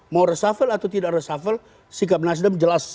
mau reshuffle atau tidak reshuffle sikap nasdem jelas